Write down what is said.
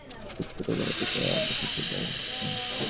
বুক ফাটিয়া গেলেও তোকে অবিচলিত থাকিতে হইবে।